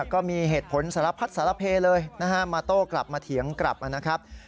ก็มีเหตุผลสารพัดสารเพเลยนะฮะมาโต้กลับมาเถียงกลับนะครับ